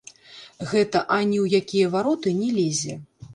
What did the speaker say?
Гэта ані ў якія вароты не лезе.